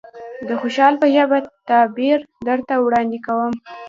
د خوشحال په ژبه تعبير درته وړاندې کوم.